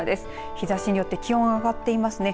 日ざしによって気温上がっていますね。